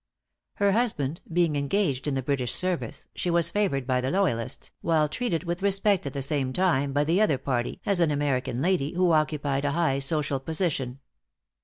Her husband being engaged in the British service, she was favored by the loyalists, while treated with respect at the same time by the other party as an American lady who occupied a high social position.